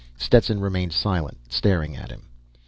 Stetson remained silent, staring at him.